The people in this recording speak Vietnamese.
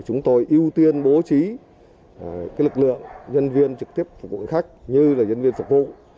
chúng tôi ưu tiên bố trí lực lượng nhân viên trực tiếp phục vụ khách như là nhân viên phục vụ